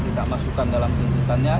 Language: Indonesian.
kita masukkan dalam penutupannya